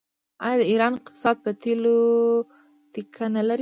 آیا د ایران اقتصاد په تیلو تکیه نلري؟